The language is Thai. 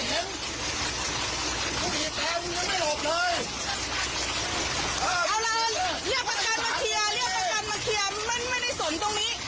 เอาล่ะเรียกประกันมาเคลียร์เรียกประกันมาเคลียร์มันไม่ได้สนตรงนี้